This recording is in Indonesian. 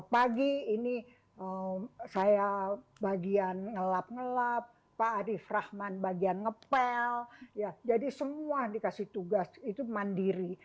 pagi ini saya bagian ngelap ngelap pak arief rahman bagian ngepel jadi semua dikasih tugas itu mandiri